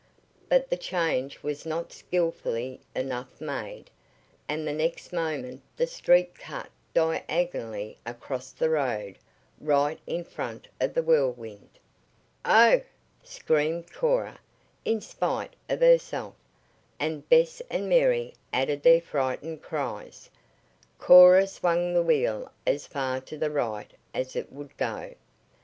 But the change was not skillfully enough made, and the next moment the Streak cut diagonally across the road, right in front of the Whirlwind. "Oh!" screamed Cora, in spite of herself, and Bess and Mary added their frightened cries. Cora swung the wheel as far to the right as it would go.